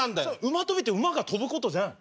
馬跳びって馬が跳ぶことじゃないの？